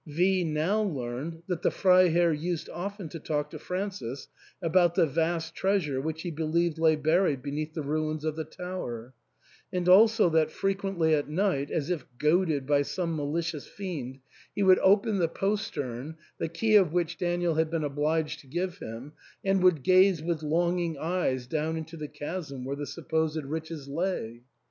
V now learned that the Freiherr used often to talk to Francis about the vast treasure which he believed lay buried beneath the ruins of the tower, and also that frequently at night, as if goaded by some malicious fiend, he would open the THE ENTAIL, 295 postern, the key of which Daniel had been obliged to give him, and would gaze with longing eyes down into the chasm where the supposed riches lay.